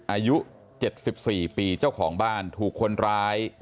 อายุ๗๔ปีเจ้าของบ้านถูกคนร้าย